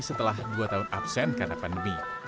setelah dua tahun absen karena pandemi